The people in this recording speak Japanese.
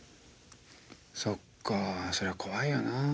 そっかそりゃ怖いよな。